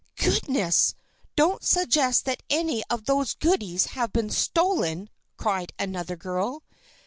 "Goodness! don't suggest that any of those goodies have been stolen!" cried another girl.